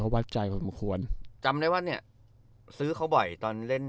วัดใจพอสมควรจำได้ว่าเนี่ยซื้อเขาบ่อยตอนเล่น